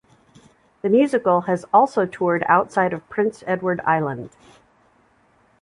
The musical has also toured outside of Prince Edward Island.